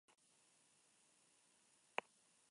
University of Maryland.